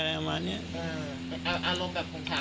เป็นอารมณ์แบบผงผาง